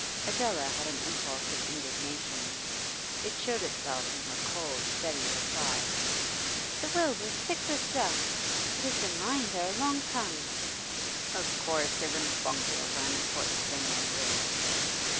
Adela had an impulse of indignation. It showed intself in her cold, steady reply. 'The will was thick with dust. It has been lying there a long time.' 'Of course. They wouldn't bungle over an important thing like this.